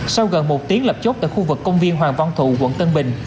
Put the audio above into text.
sau gần một tiếng lập chốt tại khu vực công viên hoàng văn thụ quận tân bình